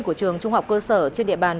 của trường trung học cơ sở trên địa bàn